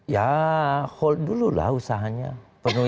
ya usahanya penuhi dulu